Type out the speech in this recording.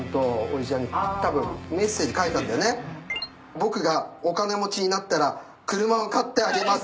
「僕がお金持ちになったら車を買ってあげます。